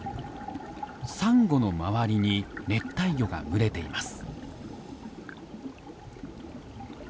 サンゴの周りに熱帯魚が群れています。